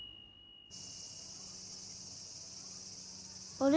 あれ？